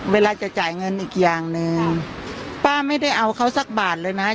เวลาจะจ่ายเงินอีกอย่างหนึ่งป้าไม่ได้เอาเขาสักบาทเลยนะ